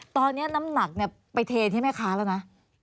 ตอนนี้น้ำหนักไปเทที่แม่ค้าแล้วนะ